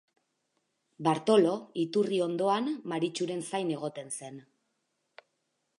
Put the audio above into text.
Bartolo iturri ondoan Maritxuren zain egoten zen.